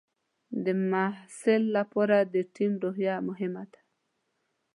د محصل لپاره د ټیم روحیه مهمه ده.